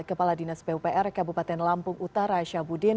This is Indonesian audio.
kepala dinas pupr kabupaten lampung utara syabuddin